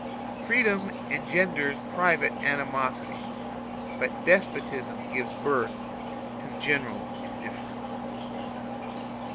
Freedom engenders private animosities, but despotism gives birth to general indifference.